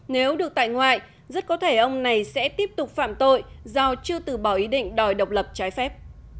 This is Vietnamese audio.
nếu được tại ngoại rất có thể ông này sẽ tiếp tục phạm tội do chưa từ bỏ ý định đòi độc lập trái phép